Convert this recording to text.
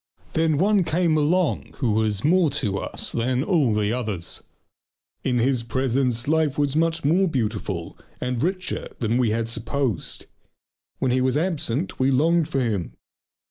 Then one came along who was more to us than all the others. In his presence life was much more beautiful and richer than we had supposed; when he was absent we longed for him.